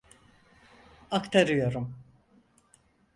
Aktarıyorum.